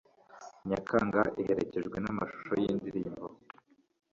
Nyakanga iherekejwe namashusho yindirimbo